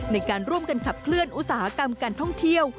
ในการร่วมกันขับเคลื่อนอุตสาหกรรมการท่องเที่ยว